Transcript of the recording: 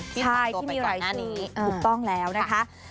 ใช่ที่มีรายชื่อถูกต้องแล้วนะคะ